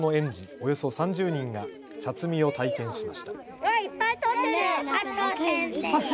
およそ３０人が茶摘みを体験しました。